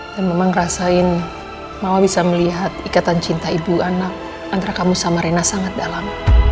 dan memang ngerasain mama bisa melihat ikatan cinta ibu anak antara kamu sama rina sangat dalam